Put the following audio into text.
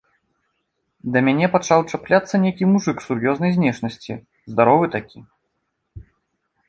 Да мяне пачаў чапляцца нейкі мужык сур'ёзнай знешнасці, здаровы такі.